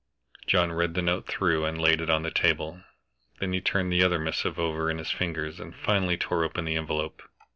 John read the note through and laid it on the table. Then he turned the other missive over in his fingers, and finally tore open the envelope.